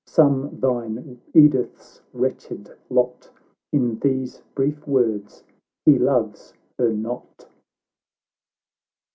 sum thine Edith's wretched lot In these brief words— He loves her not